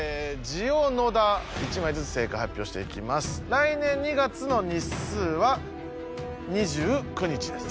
「来年２月の日数」は２９日です。